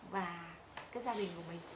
và gia đình của mình